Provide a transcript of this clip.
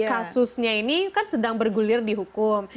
kasusnya ini kan sedang bergulir di hukum